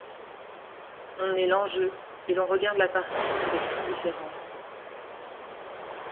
On est l’enjeu, et l’on regarde la partie avec indifférence.